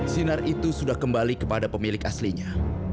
sinar itu sudah kembali kepada pemilik aslinya